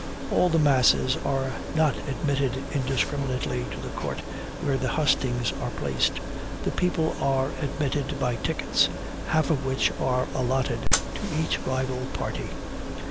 All the masses are not admitted indiscriminately to the Court where the hustings are placed the people are admitted by tickets, half of which are allotted to each rival party.